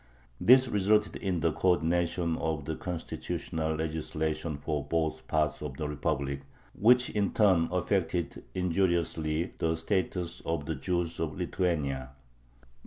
This resulted in the co ordination of the constitutional legislation for both parts of the "Republic," which, in turn, affected injuriously the status of the Jews of Lithuania.